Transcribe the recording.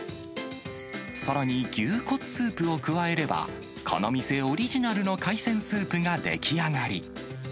さらに牛骨スープを加えれば、この店オリジナルの海鮮スープが出来上がり。